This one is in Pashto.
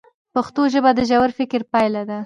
پښتو ژبه د ژور فکر پایله ده.